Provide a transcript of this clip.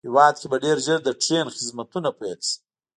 هېواد کې به ډېر زر د ټرېن خدمتونه پېل شي